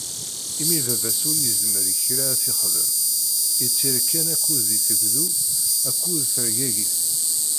Imi baba-s ur yezmer i kra ad t-ixdem, ittir kan akken di teggdu akked tergagit.